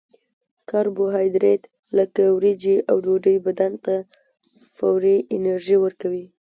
کاربوهایدریت لکه وریجې او ډوډۍ بدن ته فوري انرژي ورکوي